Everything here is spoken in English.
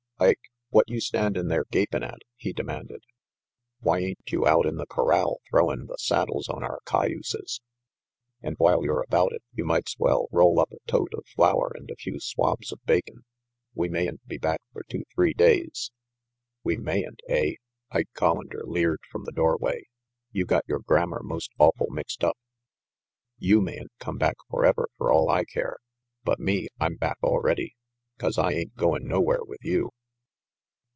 "Ike, what you standin' there gapin' at?" he demanded. "Why ain't you out in the corral thro win' the saddles on our cay uses? And while you're about it, you might's well roll up a tote of flour and a few swabs of bacon. We mayn't be back for two three days." "We mayn't, eh?" Ike Collander leered from the doorway. "You got your grammar most awful mixed up. You mayn't come back forever fer all I care; but me, I'm back already. 'Cause I ain't goin* nowhere with you."